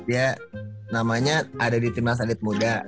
ya namanya ada di timnas elite mode